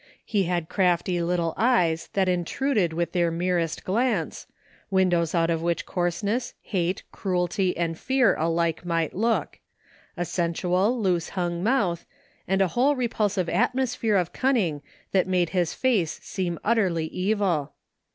He had crafty little eyes that intruded with their merest glance, windows out of which Coarseness, Hate, Cruelty and Fear alike might look ; a sensual loose hung mouth, and a whole repulsive atmosphere of cunning that made his face seem utterly evil.